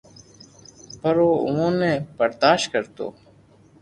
پر او اووہ ني برداݾت ڪرتو